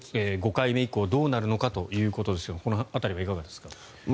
５回目以降どうなるのかということですがこの辺りはいかがですか。